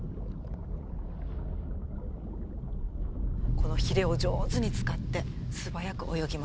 このヒレを上手に使って素早く泳ぎ回ってた。